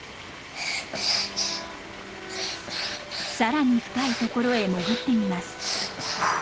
更に深いところへ潜ってみます。